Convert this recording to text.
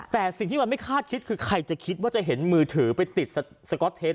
แต่สิ่งที่มันไม่คาดคิดคือใครจะคิดว่าจะเห็นมือถือไปติดสก๊อตเทป